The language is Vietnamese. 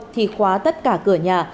thì khóa tất cả cửa nhà